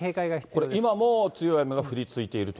これ、今も強い雨が降り続いていると。